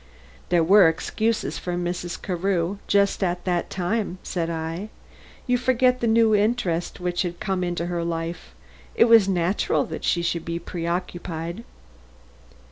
"There were excuses for Mrs. Carew, just at that time," said I. "You forget the new interest which had come into her life. It was natural that she should be preoccupied."